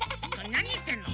なにいってんの？